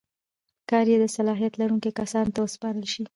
کار یې د صلاحیت لرونکو کسانو ته وسپارل شي.